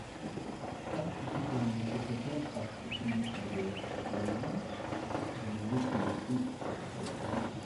აქ იგი დაუმეგობრდა ტახტის მემკვიდრე სულეიმანს, რომელიც მისი ასაკისა იყო.